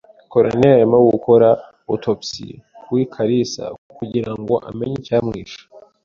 Coroner arimo gukora autopsie kuri kalisa kugirango amenye icyamwishe